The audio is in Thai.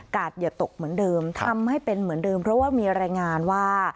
อย่าตกเหมือนเดิมทำให้เป็นเหมือนเดิมเพราะว่ามีรายงานว่า